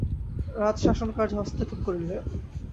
রাজ্যশাসনকার্যে হস্তক্ষেপ করিলেন।